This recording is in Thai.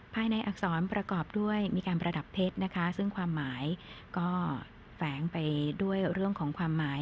ภายในอักษรประกอบด้วยมีการประดับเพชรนะคะซึ่งความหมายก็แฝงไปด้วยเรื่องของความหมาย